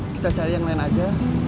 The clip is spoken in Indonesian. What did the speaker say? kita cari yang lain aja